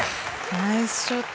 ナイスショット！